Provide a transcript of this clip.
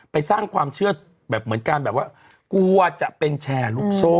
สร้างความเชื่อแบบเหมือนการแบบว่ากลัวจะเป็นแชร์ลูกโซ่